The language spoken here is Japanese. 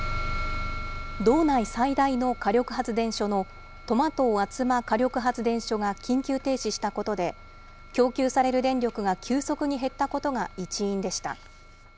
道内最大の火力発電所の苫東厚真火力発電所が緊急停止したことで、供給される電力が急速に減ったことが一因でした。